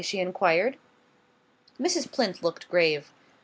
she enquired. Mrs. Plinth looked grave.